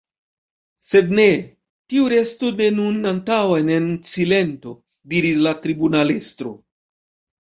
Se ne, tiu restu de nun antaŭen en silento, diris la tribunalestro.